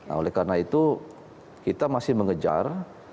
nah oleh karena itu kita masih mengejar